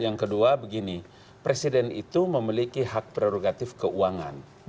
yang kedua begini presiden itu memiliki hak prerogatif keuangan